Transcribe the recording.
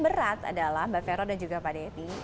berat adalah mbak fero dan juga pak dedy